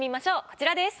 こちらです。